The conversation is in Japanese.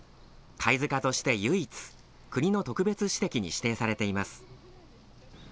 貝塚として唯一、国の特別史跡に指定されています。